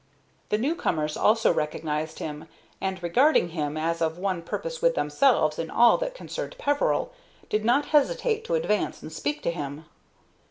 The new comers also recognized him, and, regarding him as of one purpose with themselves in all that concerned Peveril, did not hesitate to advance and speak to him.